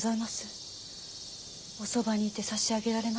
おそばにいてさしあげられませ。